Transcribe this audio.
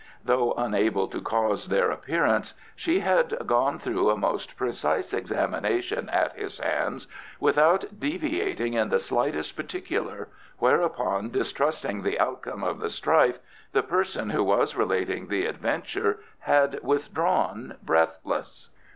Though unable to cause their appearance, she had gone through a most precise examination at his hands without deviating in the slightest particular, whereupon distrusting the outcome of the strife, the person who was relating the adventure had withdrawn breathless.